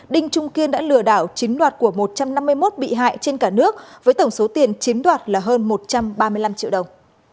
đinh trung kiên đã lừa đảo chiếm đoạt của một trăm năm mươi một bị hại trên cả nước với tổng số tiền chiếm đoạt là hơn một trăm ba mươi năm triệu đồng